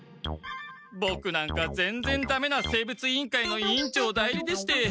ボクなんかぜんぜんダメな生物委員会の委員長代理でして。